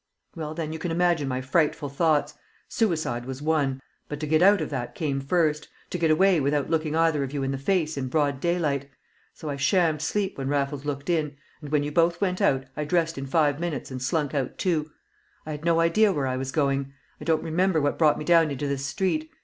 "Well, then, you can imagine my frightful thoughts. Suicide was one; but to get out of that came first, to get away without looking either of you in the face in broad daylight. So I shammed sleep when Raffles looked in, and when you both went out I dressed in five minutes and slunk out too. I had no idea where I was going. I don't remember what brought me down into this street.